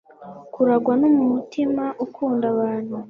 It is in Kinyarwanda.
kurangwa n'umutima ukunda abantu